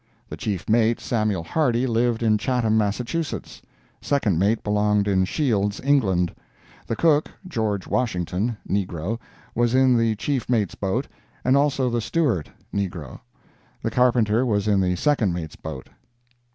The chief mate, Samuel Hardy, lived at Chatham, Massachusetts; second mate belonged in Shields, England; the cook, George Washington (negro), was in the chief mate's boat, and also the steward (negro); the carpenter was in the second mate's boat.